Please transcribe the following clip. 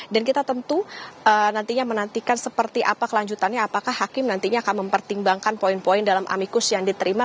dan kita tentu nantinya menantikan seperti apa kelanjutannya apakah hakim nantinya akan mempertimbangkan poin poin dalam amikus yang diterima